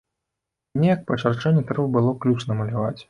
Неяк па чарчэнні трэба было ключ намаляваць.